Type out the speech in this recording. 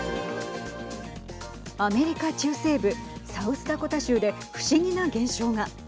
アメリカ中西部サウスダコタ州で不思議な現象が。